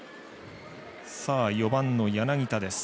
４番の柳田です。